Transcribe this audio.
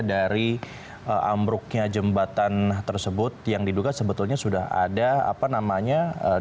dari ambruknya jembatan tersebut yang diduga sebetulnya sudah ada apa namanya